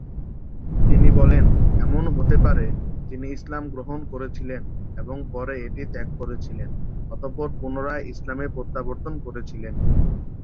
তিনি বলেন, এমনও হতে পারে, তিনি ইসলাম গ্রহণ করেছিলেন এবং পরে এটি ত্যাগ করেছিলেন, অতঃপর পুনরায় ইসলামে প্রত্যাবর্তন করেছিলেন।